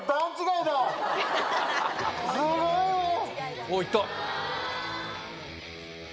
すごい！おっいった。